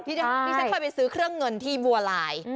ที่ฉันเคยไปซื้อเครื่องเงินที่บัวลาย